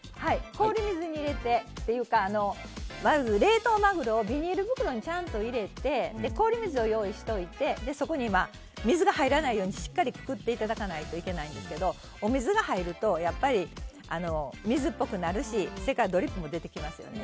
氷水に入れてというかまず冷凍マグロをビニール袋にちゃんと入れて氷水を用意しといてそこに水が入らないようにしっかりくくっていただかないといけないんですけどお水が入ると、やっぱり水っぽくなるしそれからドリップも出てきますよね。